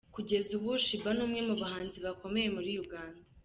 Kugeza ubu Sheebah ni umwe mu bahanzi bakomeye muri Uganda.